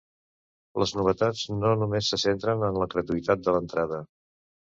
Les novetats no només es centren en la gratuïtat de l’entrada.